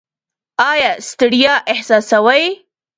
ایا ستړیا احساسوئ؟